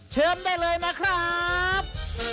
เชิญได้เลยนะครับ